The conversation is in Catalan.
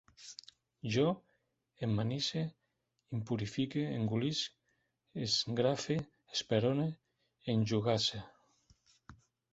Jo emmanise, impurifique, engolisc, esgrafie, esperone, enjogasse